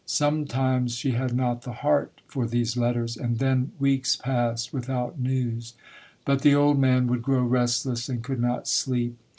Sometimes she had not the heart for these letters, and then weeks passed without news. But the old man would grow restless and could not sleep.